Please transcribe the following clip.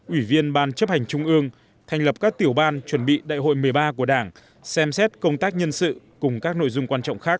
ủy viên ban chấp hành trung ương thành lập các tiểu ban chuẩn bị đại hội một mươi ba của đảng xem xét công tác nhân sự cùng các nội dung quan trọng khác